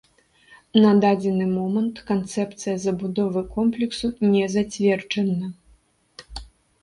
На дадзены момант канцэпцыя забудовы комплексу не зацверджана.